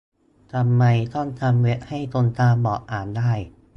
ทำไมต้องทำเว็บให้คนตาบอดอ่านได้ ?